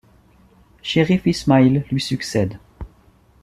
Chérif Ismaïl lui succède.